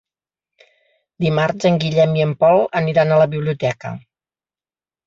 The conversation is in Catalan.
Dimarts en Guillem i en Pol aniran a la biblioteca.